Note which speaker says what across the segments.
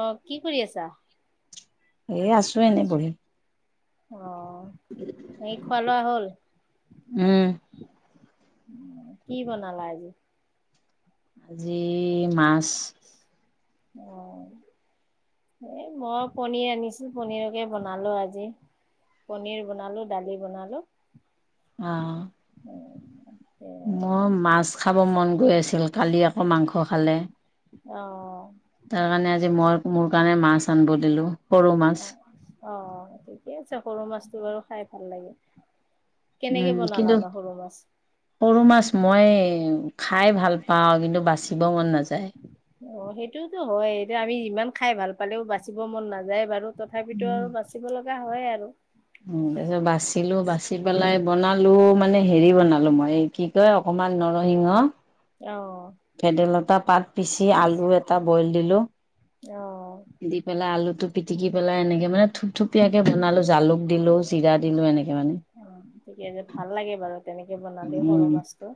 Speaker 1: অ, কি কৰি আছা?
Speaker 2: এই আছো এনে বহি।
Speaker 1: অ, এই খোৱা-লোৱা হ'ল।
Speaker 2: উম
Speaker 1: কি, বনালা আজি?
Speaker 2: আজি মাছ।
Speaker 1: অ, এ, মই পনিৰ আনিছো পনিৰকে বনালো আজি। পনীৰ বনালোঁ দালি বনালোঁ।
Speaker 2: অ, মই মাছ খাব মন গৈ আছিল কালি আকৌ মাংস খালে।
Speaker 1: অ,
Speaker 2: তাৰ কাৰণে আজি মই মোৰ কাৰণে মাছ আনবো দিলো সৰু মাছ।
Speaker 1: অ, ঠিকে আছে সৰু মাছটো বাৰু খাই ভাল লাগে। কেনেকে
Speaker 2: উম, কিন্তু
Speaker 1: বনালানো সৰু মাছ
Speaker 2: সৰু মাছ মই খাই ভাল পাওঁ, কিন্তু বাচিব মন নাযায়।
Speaker 1: অ, সেইটোওতো হয় এতিয়া আমি ইমান খাই ভাল পালেও বাচিব মন নাযায় বাৰু। তথাপিতো
Speaker 2: উম
Speaker 1: আৰু বাচিব লগা হয় আৰু।
Speaker 2: উম, তাৰ পিছত বাচিলো বাচি পেলাই বনালো মানে হেৰি বনালো মই কি এই অকমান নৰসিংহ
Speaker 1: অ,
Speaker 2: ভেদাইলতা পাত পিচি আলু এটা বইল দিলো।
Speaker 1: অ,
Speaker 2: দি পেলাই আলুতটো পিটিকি পেলাই এনেকে মানে থুপ থুপিয়াকে বনালো জালুক দিলো, জিৰা দিলো এনেকে মানে।
Speaker 1: অ, ঠিকে আছে ভাল লাগে বাৰু তেনেকে বনালে সৰু মাছটো।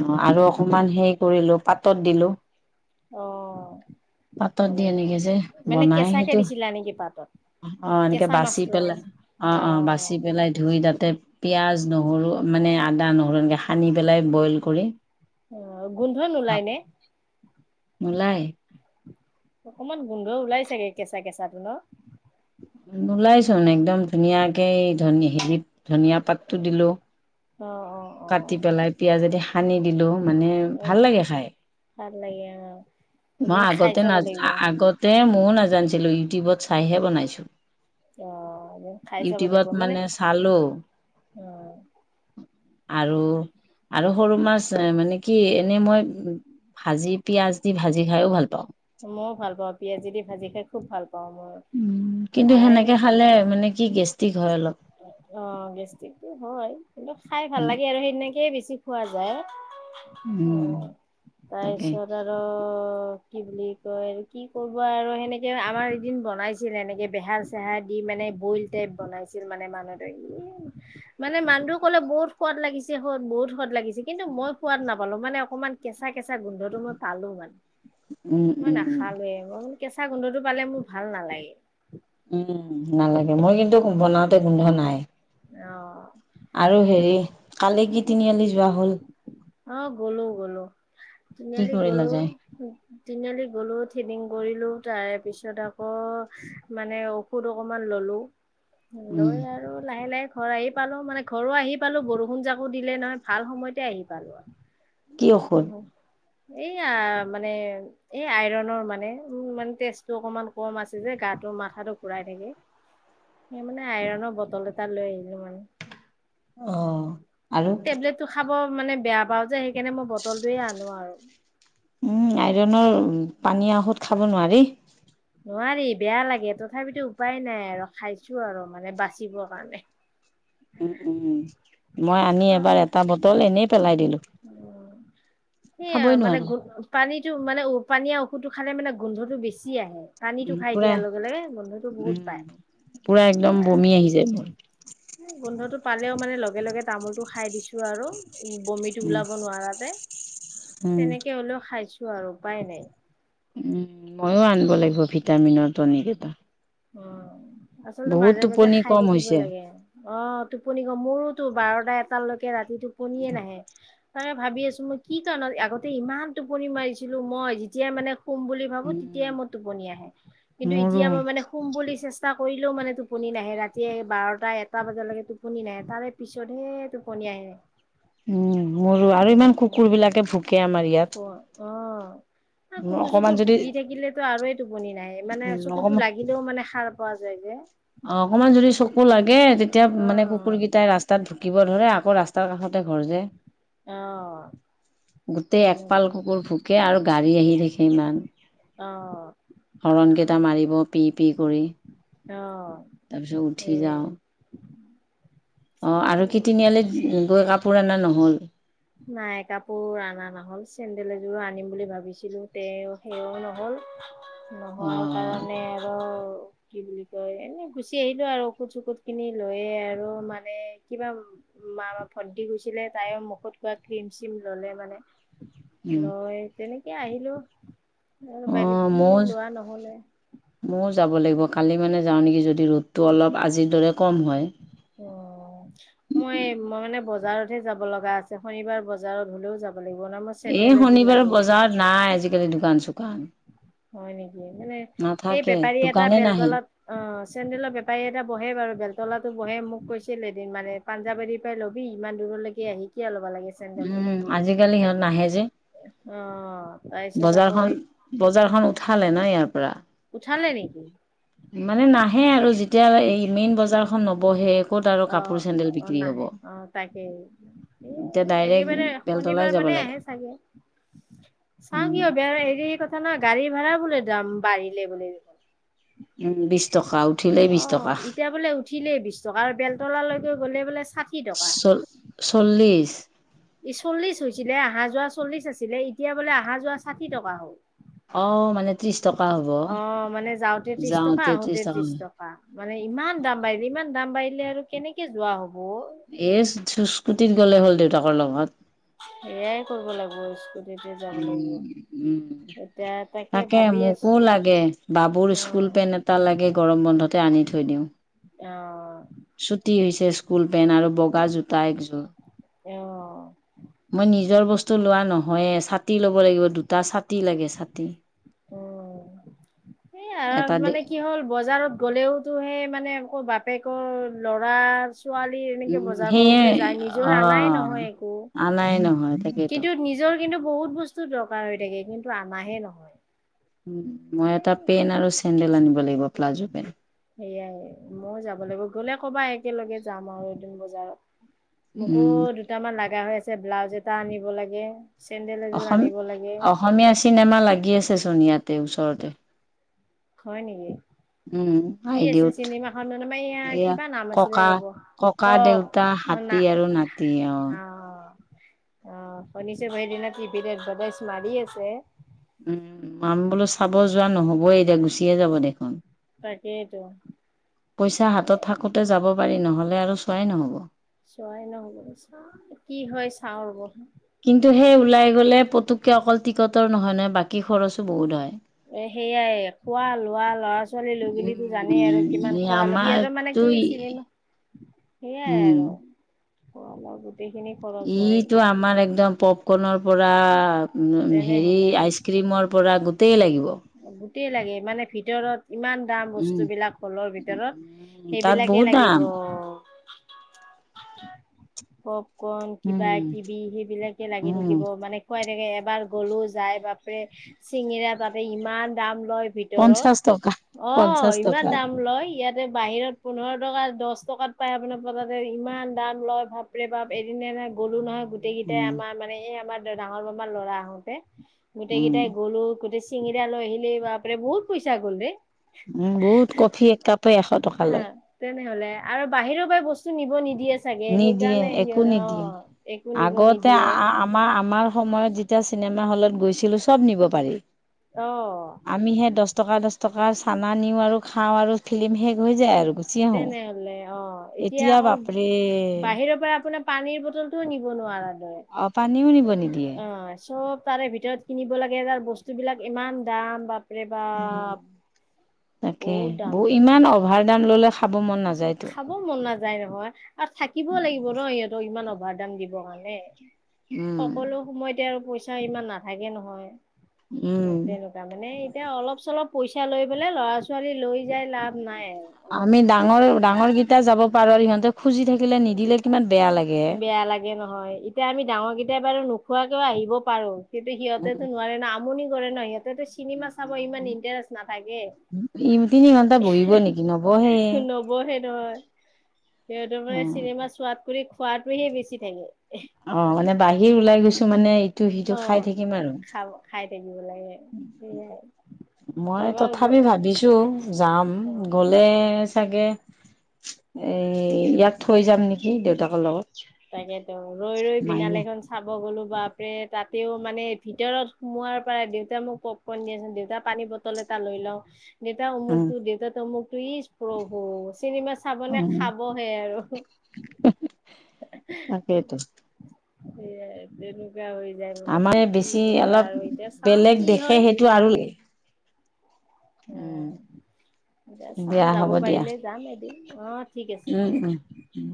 Speaker 2: অ, আৰু
Speaker 1: উম,
Speaker 2: অকমান হেৰি কৰিলো পাতত দিলো।
Speaker 1: অ,
Speaker 2: পাতত দি
Speaker 1: মানে
Speaker 2: এনেকে যে
Speaker 1: মানে
Speaker 2: বনাই
Speaker 1: কেঁচাকে
Speaker 2: সেইটো।
Speaker 1: দিছিলা নেকি পাতত?
Speaker 2: অ' এনেকে
Speaker 1: কেঁচা
Speaker 2: বাচি
Speaker 1: মাছটো
Speaker 2: পেলাই অ', অ', বাচি পেলাই ধুই তাতে পিয়াঁজ নহৰু মানে আদা, নহৰু এনেকৈ সানি পেলাই বইল কৰি।
Speaker 1: অ' গোন্ধ নোলাই
Speaker 2: ভাপ
Speaker 1: নে।
Speaker 2: নোলাই
Speaker 1: অকমান গোন্ধ ওলাই চাগে কেঁচা কেঁচাটো ন।
Speaker 2: নোলাইচোন একদম ধুনীয়াকে ধনি হেৰি ধনিয়া পাতটো দিলোঁ।
Speaker 1: অ', অ'।
Speaker 2: কাটি
Speaker 1: অ',
Speaker 2: পেলাই পিঁয়াজেদি সানি দিলোঁ মানে
Speaker 1: অ',
Speaker 2: ভাল লাগে খাই।
Speaker 1: ভাল লাগে অ'।
Speaker 2: মই
Speaker 1: এদিন খাই
Speaker 2: আগতে
Speaker 1: চাব
Speaker 2: নাজ
Speaker 1: লাগিব।
Speaker 2: আগতে ময়ো নাজানছিলো ইউটিউবত চাইহে বনাইছো।
Speaker 1: অ' খাই চাব
Speaker 2: ইউটিউবত
Speaker 1: লাগিব মানে,
Speaker 2: চালো
Speaker 1: অ'।
Speaker 2: আৰু আৰু সৰু মাছ মানে কি এনে মই ভাজি পিয়াঁজ দি ভাজি খাইও ভাল পাওঁ।
Speaker 1: মইও ভাল পাওঁ পিয়াজি দি ভাজি খাই খুব ভাল পাওঁ মই।
Speaker 2: উম, কিন্তু
Speaker 1: আৰু এনে
Speaker 2: সেনেকে খালে মানে কি গেষ্টিক হয় অলপ।
Speaker 1: অ' গেষ্টিকটো হয় কিন্তু খাই ভাল
Speaker 2: উম,
Speaker 1: লাগে আৰু সেইনাকেই বেছি খোৱা যায়।
Speaker 2: উম,
Speaker 1: অ'
Speaker 2: তাকে
Speaker 1: তাৰপিছত আৰু কি বুলি কয় কি কৰিব আৰু সেনেকৈ আমাৰ এদিন বনাইছিল এনেকৈ বেহাৰ চেহাৰ দি মানে বইল টেপ বনাইছিল মানে মানুহটোই এ মানে মানুহটোই ক'লে বহুত সোৱাদ লাগিছে সদ বহুত সোৱাদ লাগিছে কিন্তু মই সোৱাদ নাপালো মানে অকমান কেঁচা কেঁচা গোন্ধটো মই পালো মানে।
Speaker 2: উম,
Speaker 1: মই
Speaker 2: উম,
Speaker 1: নাখালোয়ে মই মানে কেঁচা গোন্ধটো পালে মোৰ ভাল নালাগে।
Speaker 2: উম, নালাগে মই কিন্তু বনাওঁতে গোন্ধ নাই।
Speaker 1: অ'।
Speaker 2: আৰু হেৰি কালি কি তিনিআলি যোৱা হ'ল।
Speaker 1: অ', গ'লো গ'লো
Speaker 2: কি
Speaker 1: তিনিআলি
Speaker 2: কৰিলা যায়?
Speaker 1: [unintelligible] তিনিআলি গ'লো থ্ৰেডিং কৰিলোঁ তাৰপিছত আকৌ মানে ঔষধ অকণমান ল'লোঁ।
Speaker 2: উম,
Speaker 1: লৈ আৰু লাহে লাহে ঘৰ আহি পালো মানে ঘৰো আহি পালো বৰষুণ জাকো দিলে নহয় ভাল সময়তে আহি পালো আৰু,
Speaker 2: কি ঔষধ?
Speaker 1: নহয় এইয়া মানে এ আইৰনৰ মানে উম' মানে তেজটো অকমান কম আছে যে গাটো মাথাটো ঘুৰাই থাকে। সেই মানে আইৰনৰ বটল এটা লৈ আহিলো মানে।
Speaker 2: অ'। আৰু?
Speaker 1: টেবলেটটো খাব মানে বেয়া পাওঁ যে সেইকাৰণে মই বটলটয়ে আনো আৰু
Speaker 2: আইৰণ পানী ঔষধ খাব নোৱাৰি
Speaker 1: নোৱাৰি বেয়া লাগে তথাপিতো উপায় নাই আৰু খাইছো আৰু মানে বাচিবৰ কাৰণে
Speaker 2: ওম ওম মই আনি
Speaker 1: অ
Speaker 2: এবাৰ এটা বটল এনেই পেলাই দিলো
Speaker 1: উম
Speaker 2: খাবই নোৱাৰো
Speaker 1: পানীতটো মানে পানীয়া ঔুধটো খালে মানে গোন্ধটো বেছি আহে পানীো
Speaker 2: উম
Speaker 1: খাই
Speaker 2: পুৰা
Speaker 1: দিয়াৰ লগে লগে বন্ধুতটো বহুত পাই
Speaker 2: পূৰা একদম বমি আহি যায় মোৰ
Speaker 1: গোন্ধটো পালেও মানে লগে লগে তামোলতটো খাই দিছো আৰু উ বমিটো ওলাব নোৱাৰাতে
Speaker 2: উম।
Speaker 1: তেনেকে হলেও খাইছো আৰু উপায় নাই
Speaker 2: উম ময়ো আনিব লাগিব ভিটামিনৰ ন কেইটা
Speaker 1: অ আচলতে মাজে মাজে
Speaker 2: টোপনি
Speaker 1: খাই
Speaker 2: কম
Speaker 1: থাকিব
Speaker 2: হৈছে।
Speaker 1: লাগে অ টোপনি ক মোৰোতো বাৰটা এটালৈকে ৰাতি টোপনিয়ে নাহে তাৰে ভাবি আছো মই কি কাৰণত আগতে ইমান টোপনি মাৰিছিলো মই যেতিয়াই মানে খোম বুলি ভো
Speaker 2: উম
Speaker 1: তেতিয়াই মই টোপনি আহে কিন্তু এতিয়া
Speaker 2: মোৰো
Speaker 1: মই মানে কোম বুলি চেষ্টা কৰিলেও মানে টোপনি নাহে ৰাতিয়ে বাৰটা এটা বজালৈকে টোপনি নাহে তাৰে পিছতহে টোপনীয়া আহ
Speaker 2: উম, মৰু আৰু ইমান কুকুৰ বিলাকে ভোকে আমাৰ ইয়াত।
Speaker 1: অ', কুকুৰ
Speaker 2: অকমান
Speaker 1: চুকুৰ
Speaker 2: যদি
Speaker 1: ভুকি থাকিলেতো আৰুেই টোপনি নাহে, মানে
Speaker 2: উম
Speaker 1: চকুতো
Speaker 2: অকমান
Speaker 1: লা গিলেও মানে সাৰ পোৱা যায় যে।
Speaker 2: অ', অকনমান যদি চকু লাগে তেতিয়া মানে কুকুৰ
Speaker 1: অ'।
Speaker 2: কেইটাই ৰাস্ত তাত ভুকিব ধৰে, আকৌ ৰাস্তাৰ কাষতে ঘৰ যে।
Speaker 1: অ',
Speaker 2: গোটেই একপাল
Speaker 1: তেনেকুৱা
Speaker 2: কুকুৰ ভুকে আৰু গাড়ী আহি থাকে ইমান।
Speaker 1: অ',
Speaker 2: হৰণ কেইটা মাৰিব পি, পি কৰি।
Speaker 1: অ'।
Speaker 2: তাৰপিছত উঠি
Speaker 1: সেই
Speaker 2: যাওঁ। অ', আৰু কি তিনিআলিত গৈ কাপোৰ অনা নহ'ল?
Speaker 1: নাই কাপোৰ অনা নহল, চেণ্ডেল এযোৰো আনিম বুলি ভাবিছিলো তেও, সেও নহল। নোহোৱাৰ
Speaker 2: অঁ
Speaker 1: কাৰণে আৰু কি বুলি কয় এনে গুচি আহিলো আৰু ঔষুধ চকুধ খিনি লৈয়ে আৰু মানে কিবা মা বা ভণ্টি গৈছিলে তাইৰ মুখত লোৱা ক্ৰীম চিম ললে মানে, লৈ তেনেকে আহিলো। আৰু বাল কি লোৱা নহলে।
Speaker 2: মইও যাব লাগিব কালি মানে যাওঁ নেকি যদি ৰ'দটো অলপ আজিৰ দৰে কম হয়।
Speaker 1: অ'। মই, মই মানে বজাৰত হে যাব লগা আছে, শনিবাৰ বজাৰত হলেও যাব লাগিব ন মই
Speaker 2: এই
Speaker 1: চেন্দেল এযোৰ
Speaker 2: শনিবাৰ
Speaker 1: লাগে
Speaker 2: বজাৰত নাই আজিকালি দোকান চোকান।
Speaker 1: হয় নেকি, মানে এই
Speaker 2: নাথাকে
Speaker 1: বেপাৰী এটা
Speaker 2: দোকানে নাহে
Speaker 1: বেলতলত অ', চেন্দেলৰ বেপাৰী এটা বহে বাৰু বেল তলাটো বহে মোক কৈছিল এদিন মানে, পাঞ্জাবাৰি পৰা লবি ইমান দূৰলৈকে আহি কিয় ল'বা লাগে চেন্দেল। অ',
Speaker 2: উম, আজিকালি সিহঁত নাহে যে
Speaker 1: তাৰপিছত আকৌ
Speaker 2: বজাৰখন বজাৰখন উঠালে ন ইয়াৰ পৰা?
Speaker 1: উঠালে নি?
Speaker 2: মানে নাহে আৰু যেতিয়া এই মেইন বজাৰখন নবহে। ক'ত আৰু কাপোৰ চেন্দেল
Speaker 1: অ',
Speaker 2: বিক্ৰী হ'ব।
Speaker 1: নাহে অ', তাকে। এ,
Speaker 2: এতিয়া ডাইৰেক্ট
Speaker 1: একেবাৰে
Speaker 2: বেলতলাই
Speaker 1: শনিবাৰ
Speaker 2: যাব
Speaker 1: মানে
Speaker 2: লাগে
Speaker 1: আহে চাগে। চাওঁ
Speaker 2: উম।
Speaker 1: কি হৈ [unintelligible] হেৰি কথা ন গাড়ী ভাড়া বোলে দাম বাঢ়িলে বোলে।
Speaker 2: উম বিশ টকা উঠিলেই বিশ
Speaker 1: অ',
Speaker 2: টকা
Speaker 1: এতিয়া বোলে উঠিলেই বিশ টকাৰ বেল তলালৈকৈ গলে বোলে সাঠি টকা।
Speaker 2: চল্লিছ।
Speaker 1: চল্লিশ হৈছিলে আহা যোৱা চল্লিশ আছিলে এতিয়া বোলে আহা যোৱা সাঠি টকা হ'ল।
Speaker 2: অ', মানে ত্ৰিশ টকা হ'ব
Speaker 1: অ', মানে যাওঁতে ত্ৰিশ টকা আহোতে ত্ৰিশ টকা মানে ইমান দাম বাঢ়িলে ইমান দাম বাঢ়িলে আৰু কেনেকে যোৱা হব।
Speaker 2: এ, স্কুটিত গ'লে হ'ল দেউতাকৰ লগত।
Speaker 1: এয়ায়ে কৰিব লাগিব স্কু
Speaker 2: উম, উম।
Speaker 1: এতিয়া
Speaker 2: তাকে
Speaker 1: ভাবি আছো।
Speaker 2: মোকো লাগে, বাবুৰ
Speaker 1: অ
Speaker 2: স্কুল পেন্ট এটা লাগে গৰম বন্ধতে আনি থৈ দিওঁ।
Speaker 1: অ'।
Speaker 2: ছুটী হৈছে স্কুল পেন্ট আৰু বগা জোতা একযোৰ।
Speaker 1: অ অ
Speaker 2: মই নিজৰ বস্তু লোৱা নহয়ে, ছাতি ল'ব লাগিব দুটা ছা তি লাগে ছাতি।
Speaker 1: উম। হেয়া
Speaker 2: এটা দে
Speaker 1: মানে কি হ'ল বজাৰত গ'লেও টো হে মানে আকৌ বাপেকৰ ল'ৰা ছোৱালীৰ এনেকে
Speaker 2: উম
Speaker 1: বজাৰ
Speaker 2: সেয়ে
Speaker 1: কৰোতে যায়
Speaker 2: অ
Speaker 1: নিজৰ আনাই নহয় একো।
Speaker 2: আনাই নহয়। তাকেইতো
Speaker 1: কিন্তু নিজৰ কিন্তু বহুত বস্তু দৰকাৰ হৈ থাকে, কিন্তু আনাহে নহয়।
Speaker 2: মই এটা পেন আৰু চেণ্ডেল আনিব লাগিব প্লাজো পেন।
Speaker 1: সেয়াই মই যাব লাগিব গ'লে ক'বা একেলগে যাম আৰু এদিন বজাৰত। মোকো
Speaker 2: উম
Speaker 1: দুটামান লগা হৈ আছে ব্লাউজ এটা আনিব লাগে, চেণ্ডেল এযোৰ
Speaker 2: অসম
Speaker 1: আনিব লাগে।
Speaker 2: অসমীয়া চিনেমা লাগি আছে চোন ইয়াতে ওচৰতে।
Speaker 1: হয় নেকি?
Speaker 2: উম
Speaker 1: কি আছিল
Speaker 2: আইদেউত
Speaker 1: চিনেমাখনত ম এয়া কিবা নাম আছিলে ৰ'ব। প
Speaker 2: ককা দেউতা হাতী
Speaker 1: খনা
Speaker 2: আৰু নাতি
Speaker 1: অ'। অ', শুনিছোঁ সেইদিনা টিভিত আদ্বেটাইছ মাৰি আছে।
Speaker 2: উম, উম, বোলো চাব যোৱা নহ'বই এতিয়া গুচিয়ে যাব দেখোন।
Speaker 1: সেইটো।
Speaker 2: পইচা হাতত থাকোঁতে যাব পাৰি নহ'লে আৰু চোৱাই নহ'ব।
Speaker 1: চোৱাই নহব কি হয় চাওঁ ৰব।
Speaker 2: কিন্তু সেই ওলাই গ'লে পটুকে অকল টিকটৰ নহয়, নহয় বাকী খৰচো বহুত হয়।
Speaker 1: সেইয়াই খোৱা লোৱা ল'ৰা ছোৱালী লৈ গিলো জানেই আৰু কিমান
Speaker 2: ই
Speaker 1: খোৱা ল সিহঁতৰ মানে
Speaker 2: আমাৰতো
Speaker 1: কি? চিনেমা সেইয়াই
Speaker 2: উম
Speaker 1: আৰু আমাৰ গোটেইখিনি। খৰচ হয়।
Speaker 2: ইটো আমাৰ একদম পপকৰ্নৰ পৰা উ হেৰি
Speaker 1: তেনেহ'লে
Speaker 2: আইচক্ৰীমৰ। পৰা গোটেই লাগিব।
Speaker 1: গোটই লাগে মানে ভিতৰত ইমান। দাম
Speaker 2: উম
Speaker 1: বস্তুবিলাক হলৰ ভিতৰত
Speaker 2: উম তাত
Speaker 1: সেইবিলাকে
Speaker 2: বহুত
Speaker 1: লাগিব।
Speaker 2: দাম
Speaker 1: পুক্ৰণ কিবা
Speaker 2: উম
Speaker 1: কিবি সেইবিলাকে লাগি
Speaker 2: উম
Speaker 1: থাকিব মানে। খুৱাই থাকে এবাৰ গ'লো যাই বাপৰে চিঙিৰা তাতে ইমান দাম লয়। ভিতৰত
Speaker 2: পঞ্চাশ টকা
Speaker 1: অ',
Speaker 2: পঞ্চাশ
Speaker 1: ইমান
Speaker 2: টকা
Speaker 1: দাম লয় ইয়াতে বাহিৰত। পোন্ধৰ টকা, দহ টকাত পাই আপোনাৰ পতাতে ইমান দাম লয় বাপৰে বাপ এদিনে নাই গ'লো নহয়। গোটেই কেইটাই
Speaker 2: উম
Speaker 1: আমাৰ মানে এই আমাৰ ডাঙৰ মামাৰ ল'ৰা আহোতে গোটেই
Speaker 2: উম
Speaker 1: কেইটাই। গ'লো গোটেই চিঙিৰা লৈ আহিলি বাপৰে বহুত পইচা গ'ল ৰে।
Speaker 2: উম, বহুত কফি এক কাপে এশ টকা
Speaker 1: হা
Speaker 2: লয়।
Speaker 1: তেনেহলে আৰু বাহিৰৰ পৰা বস্তু নিব নিদিয়ে যে। চাগে
Speaker 2: নিদিয়ে
Speaker 1: সেইকাৰণে
Speaker 2: একো
Speaker 1: সিহঁত
Speaker 2: নিদিয়ে।
Speaker 1: অ', একো নিব
Speaker 2: আগতে
Speaker 1: নিদিয়ে।
Speaker 2: আমাৰ, আমাৰ সময়ত যেতিয়া চিনেমা হলত গৈছিলোঁ চব নিব পাৰি।
Speaker 1: অ'।
Speaker 2: আমি সেই দহ টকা, দহ টকাৰ চানা নিওঁ আৰু খাওঁ আৰু। ফিলিম শেষ হৈ যায় আৰু গুচি আহোঁ
Speaker 1: তেনেহলে অ',
Speaker 2: এতিয়া
Speaker 1: আকৌ
Speaker 2: বাপ।
Speaker 1: বাহিৰৰ পৰা আপোনাৰ পানীৰ বটল টোও নিব নোৱাৰা।
Speaker 2: অ পানীও নিব নিদিয়ে
Speaker 1: অ', চব তাৰে ভিতৰত। কিনিব লাগে তাৰ বস্তুবিলাক ইমান দাম বাপৰে
Speaker 2: উম
Speaker 1: বাপ।
Speaker 2: তাকে
Speaker 1: বহুত দাম
Speaker 2: বৌ ইমান অভাৰ দাম ল'লে খাব মন নাযায়তো।
Speaker 1: খাব মন নাযায় নহয় আৰু থাকিব লাগিব ন, ইহঁতক ইমান অভাৰ দাম দিবৰ কাৰণে।
Speaker 2: উম
Speaker 1: সকলো সময়তে আৰু পইচা ইমান নাথাকে নহয়।
Speaker 2: উম।
Speaker 1: তাৰ মানে এতিয়া অলপ চলপ পইচা লৈ পেলাই ল'ৰা ছোৱালী লৈ যাই লাভ নাই। আৰু অলপ
Speaker 2: আমি
Speaker 1: পইচা
Speaker 2: ডাঙৰ,
Speaker 1: থাকিব
Speaker 2: ডাঙৰ কিটা যাব পাৰোঁ, আৰু ইহঁতে খুজি থাকিলে নিদিলে কিমান বেয়া লাগে।
Speaker 1: বেয়া লাগে নহয়, এতিয়া আমি ডাঙৰকেইটায়া বাৰু নোখোৱাকেও আহিব পাৰোঁ, কিন্তু সিহঁতেতো নোৱাৰে ন। আমনি কৰে ন সিহঁতে চিনেমা চাব ইমান ইণ্টাৰেষ্ট নাথাকে।
Speaker 2: উ তিনি ঘন্টা বহিব নবহে।
Speaker 1: নবহে নহয় সিহঁতৰ মানে
Speaker 2: উম
Speaker 1: চিনেমা চোৱাত কৰি খোৱাটোহে বেছি থাকে।
Speaker 2: অ', মানে বাহিৰ ওলাই গৈছোঁ মানে ইটো সিটো
Speaker 1: অ
Speaker 2: খাই থাকিম আৰু।
Speaker 1: খাব খাই থাকিব লাগে। সেয়াই
Speaker 2: মই
Speaker 1: এবাৰ গ
Speaker 2: তথাপি ভাবিছোঁ যাম
Speaker 1: অ
Speaker 2: গ'লে। চাগে এই ইয়াক থৈ যাম নেকি দেউতাকৰ লগত।
Speaker 1: তাকেতো ৰৈ ৰৈ বিনাল
Speaker 2: মাইনা
Speaker 1: এখন চাব গ'লো বাপৰে তাতেও মানে ভিতৰত সোমোৱাৰ পৰা দেউতা মোক দেউতা পানী বটল এটা লৈ লওঁ। দেউতা
Speaker 2: উম
Speaker 1: অমুকতটো, দেউতা অমুকতটো, ইচ প্ৰভু চিনেমা চাবনেে খাবহে আৰু
Speaker 2: তাকাকেইেত
Speaker 1: সয় [unintelligible] হয়। মানে
Speaker 2: আমাৰ
Speaker 1: কি
Speaker 2: বেছি
Speaker 1: কৰিবা আৰু এতিয়া চাও কি হয়।
Speaker 2: টো আৰু
Speaker 1: অ',
Speaker 2: উম
Speaker 1: এয়া চাওঁ
Speaker 2: দিয়া
Speaker 1: যাব
Speaker 2: হ'ব দিয়া
Speaker 1: পাৰিলে যাম এদিন অ', ঠিক আছে
Speaker 2: উম
Speaker 1: হ'ব
Speaker 2: উম
Speaker 1: দেয়া
Speaker 2: উম